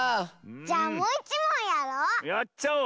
じゃあもういちもんやろう。